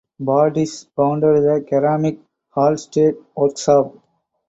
Baudisch founded the "Keramik Hallstatt" workshop.